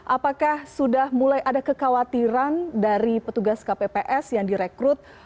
apakah sudah mulai ada kekhawatiran dari petugas kpps yang direkrut